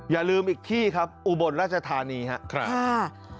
อย่าลืมอีกที่ครับอุบลราชธานีครับ